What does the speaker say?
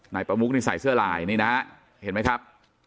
นายประมุกนี่ใส่เสื้อลายนี่นะฮะเห็นไหมครับ